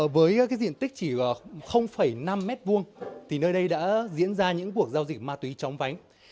với diện tích chỉ năm m hai thì nơi đây đã diễn ra những cuộc giao dịch ma túy chóng vánh